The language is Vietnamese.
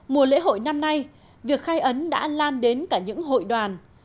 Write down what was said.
mùa lễ hội năm nay việc khai ấn đã lan đến cả những hội đoàn